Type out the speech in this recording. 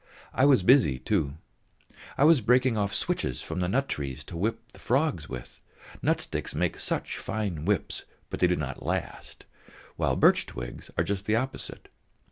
I was busy, too; I was breaking off switches from the nut trees to whip the frogs with. Nut sticks make such fine whips, but they do not last; while birch twigs are just the opposite.